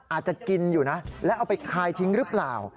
อาจจะกินอยู่นะแล้วเอาไปคายทิ้งหรือเปล่า